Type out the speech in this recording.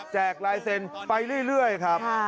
แจกรายเซ็นทร์ไปเรื่อยครับ